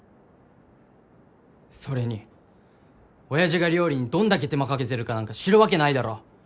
それに親父が料理にどんだけ手間かけてるかなんか知るわけないだろ。